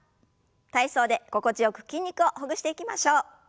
体操で心地よく筋肉をほぐしていきましょう。